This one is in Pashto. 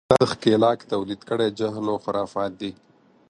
دا د ښکېلاک تولید کړی جهل و خرافات دي.